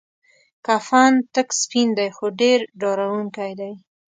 کفن تک سپین دی خو ډیر ډارونکی دی.